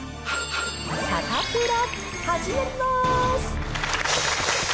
サタプラ、始まります。